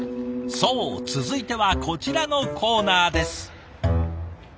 そう続いてはこちらのコーナーです。